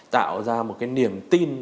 tạo ra một cái niềm tin